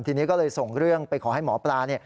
ทีนี้ก็เลยส่งเรื่องไปขอให้หมอปลา